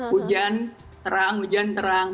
hujan terang hujan terang